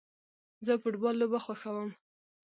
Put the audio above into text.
زه فټبال لوبه خوښوم